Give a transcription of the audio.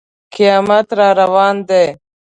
قیامت را روان دی.